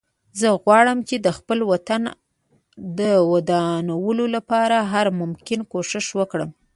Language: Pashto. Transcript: زه غواړم چې د خپل وطن د ودانولو لپاره هر ممکن کوښښ وکړم